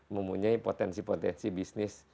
mempunyai potensi potensi bisnis